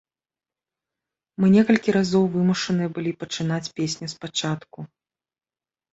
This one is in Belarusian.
Мы некалькі разоў вымушаныя былі пачынаць песню спачатку.